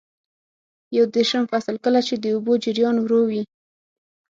یو دېرشم فصل: کله چې د اوبو جریان ورو وي.